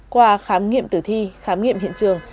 qua khám nghiệm tử thi khám nghiệm hiện trường